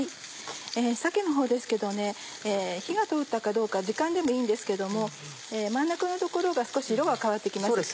鮭のほうですけどね火が通ったかどうか時間でもいいんですけども真ん中の所が少し色が変わって来ます。